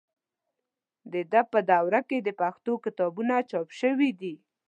د ده په دوره کې پښتو کتابونه چاپ شوي دي.